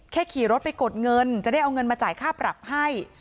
ขี่รถไปกดเงินจะได้เอาเงินมาจ่ายค่าปรับให้